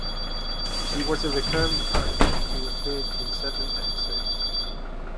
She was a recurring character who appeared in seven episodes.